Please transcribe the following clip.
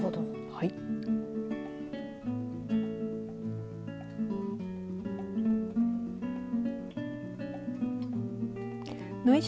はい。